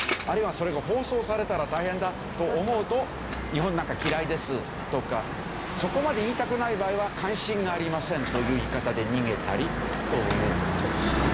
あるいはそれが放送されたら大変だと思うと「日本なんか嫌いです」とかそこまで言いたくない場合は関心がありませんという言い方で逃げたりという。